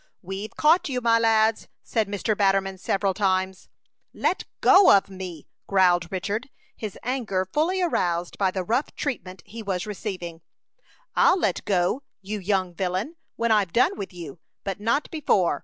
"We've caught you, my lads," said Mr. Batterman several times. "Let go of me," growled Richard, his anger fully aroused by the rough treatment he was receiving. "I'll let go, you young villain, when I've done with you, but not before.